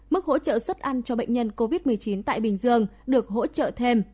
mức hỗ trợ xuất ăn cho bệnh nhân covid một mươi chín tại bình dương được hỗ trợ thêm